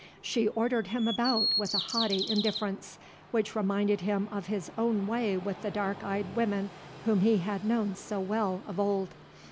She ordered him about with a haughty indifference which reminded him of his own way with the dark eyed women whom he had known so well of old.